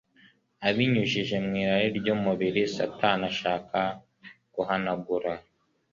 Abinyujije mw’irari ry’umubiri, Satani ashaka guhanagura